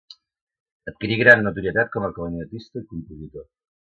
Adquirí gran notorietat com a clarinetista i compositor.